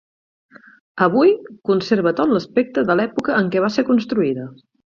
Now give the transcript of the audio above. Avui conserva tot l'aspecte de l'època en què va ser construïda.